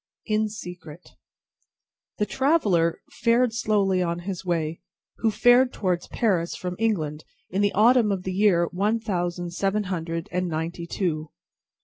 In Secret The traveller fared slowly on his way, who fared towards Paris from England in the autumn of the year one thousand seven hundred and ninety two.